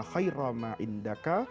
khaira ma indaka